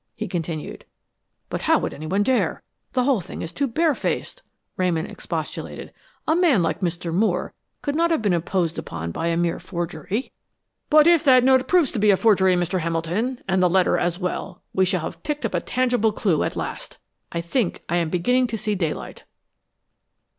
he continued. "But how would anyone dare? The whole thing is too bare faced," Ramon expostulated. "A man like Mr. Moore could not have been imposed upon by a mere forgery." "But if that note proves to be a forgery, Mr. Hamilton, and the letter as well we shall have picked up a tangible clue at last. I think I am beginning to see daylight."